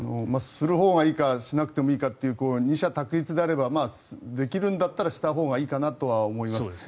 するほうがいいかしなくてもいいかという二者択一であればできるんだったらしたほうがいいかなとは思います。